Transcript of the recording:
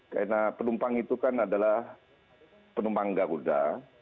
karena penumpang itu kan adalah penumpang garuda